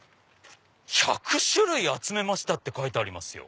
「１００種類集めました」って書いてありますよ。